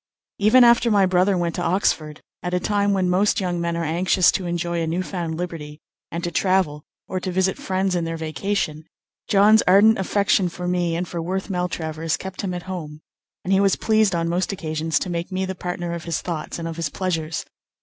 Even after my brother went to Oxford, at a time when most young men are anxious to enjoy a new found liberty, and to travel or to visit friends in their vacation, John's ardent affection for me and for Worth Maltravers kept him at home; and he was pleased on most occasions to make me the partner of his thoughts and of his pleasures.